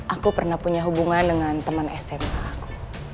aku pernah punya hubungan dengan teman sma aku